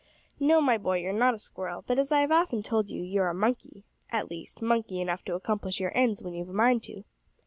"No, my boy, you're not a squirrel, but, as I have often told you, you are a monkey at least, monkey enough to accomplish your ends when you have a mind to."